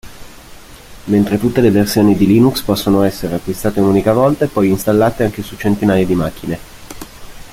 Mentre tutte le versioni di Linux possono essere acquistate un'unica volta e poi installate anche su centinaia di macchine.